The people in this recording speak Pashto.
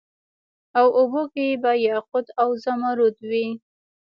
او اوبو کي به یاقوت او زمرود وي